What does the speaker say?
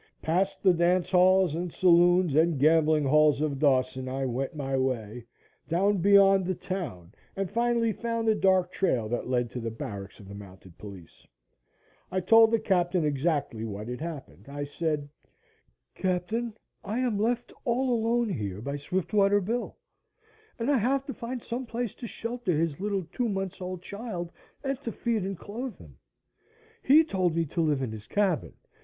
Past the dance halls and saloons and gambling halls of Dawson I went my way, down beyond the town and finally found the dark trail that led to the barracks of the mounted police. I told the captain exactly what had happened. I said: "Captain, I am left all alone here by Swiftwater Bill and I have to find some place to shelter his little two months' old child and to feed and clothe him. He told me to live in his cabin.